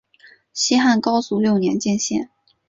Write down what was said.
西汉高祖六年建县。